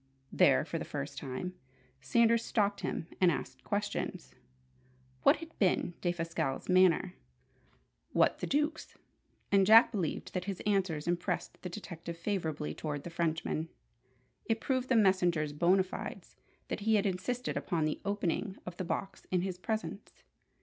There, for the first time, Sanders stopped him and asked questions: what had been Defasquelle's manner, what the Duke's? And Jack believed that his answers impressed the detective favourably toward the Frenchman. It proved the messenger's bona fides that he had insisted upon the opening of the box in his presence.